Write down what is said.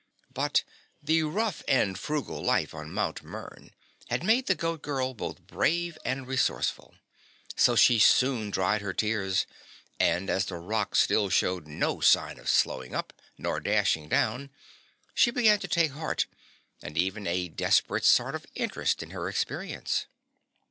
But the rough and frugal life on Mt. Mern had made the Goat Girl both brave and resourceful, so she soon dried her tears and as the rock still showed no signs of slowing up nor dashing down, she began to take heart and even a desperate sort of interest in her experience.